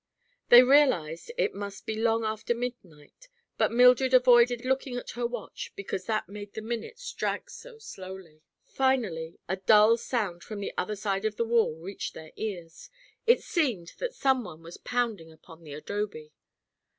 They realized it must be long after midnight but Mildred avoided looking at her watch because that made the minutes drag so slowly. Finally a dull sound from the other side of the wall reached their ears. It seemed that some one was pounding upon the adobe.